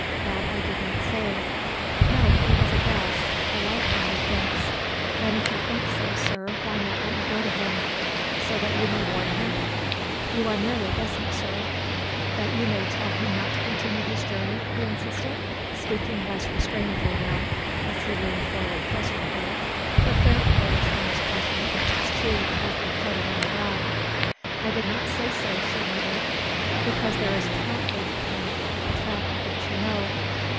"That I did not say." "No. It was a guess. A right one methinks." "Then if you think so, sir, why not let me go to him?" "So that you may warn him?" "You were merely guessing, sir...." "That you may tell him not to continue his journey," he insisted, speaking less restrainedly now, as he leaned forward closer to her, her fair curls almost brushing against his cheek as they fluttered in the draught. "I did not say so," she murmured. "Because there is a trap laid for him ... a trap of which you know...."